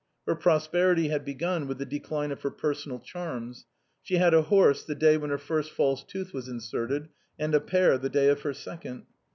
Her prosperity had begun with the decline of her personal charms. She had a horse the day when her jfirst false tooth was inserted, and a pair the day of her second.